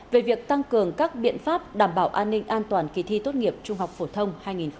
về việc tăng cường các biện pháp đảm bảo an ninh an toàn kỳ thi tốt nghiệp trung học phổ thông hai nghìn hai mươi